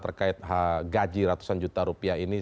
terkait gaji ratusan juta rupiah ini